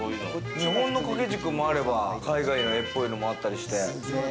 日本の掛け軸もあれば、海外の絵っぽいのもあったりして。